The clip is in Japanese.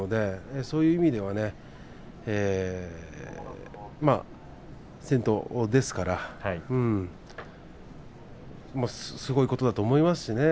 そういう意味では先頭ですからすごいことだと思いますしね。